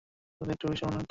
দুধ একটু বেশি মনে হচ্ছে।